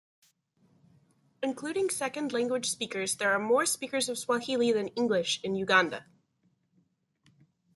Including second-language speakers, there are more speakers of Swahili than English in Uganda.